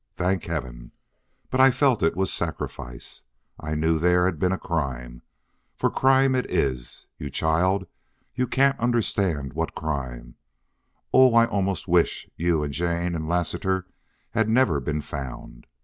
Thank Heaven! But I felt it was sacrifice. I knew there had been a crime. For crime it is. You child! You can't understand what crime. Oh, almost I wish you and Jane and Lassiter had never been found.